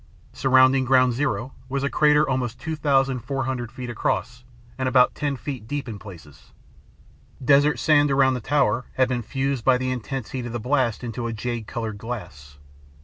Surrounding ground zero was a crater almost 2,400 feet across and about ten feet deep in places. Desert sand around the tower had been fused by the intense heat of the blast into a jade colored glass.